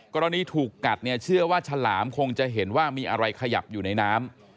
ก็ตอนนี้ถูกกัดเชื่อว่าชาวหลามคงจะเห็นว่ามีอะไรขยับอยู่ในน้ำ